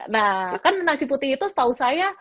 nah kan nasi putih itu setahu saya